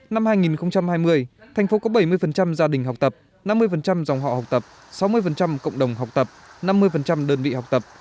năm hai nghìn hai mươi thành phố có bảy mươi gia đình học tập năm mươi dòng họ học tập sáu mươi cộng đồng học tập năm mươi đơn vị học tập